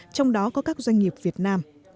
trong đó có các doanh nghiệp việt nam